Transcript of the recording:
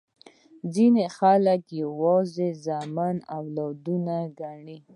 ځیني خلګ یوازي زامن اولاد ګڼي.